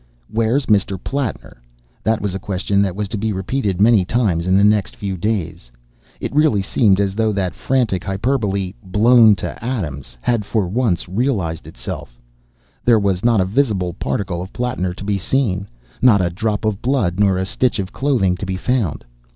Where's Mr. Plattner? That was a question that was to be repeated many times in the next few days. It really seemed as though that frantic hyperbole, "blown to atoms," had for once realised itself. There was not a visible particle of Plattner to be seen; not a drop of blood nor a stitch of clothing to be found.